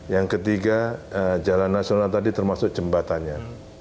yang ketiga jalan nasional tadi termasuk jembatannya